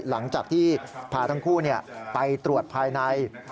หลังจากที่พาทั้งคู่ไปตรวจภายใน